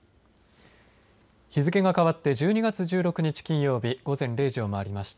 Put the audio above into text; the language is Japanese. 日付が変わって１２月１６日金曜日午前０時を回りました。